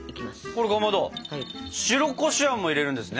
これかまど白こしあんも入れるんですね。